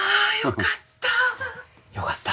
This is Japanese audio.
よかった！